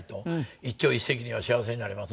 一朝一夕には幸せになれませんので。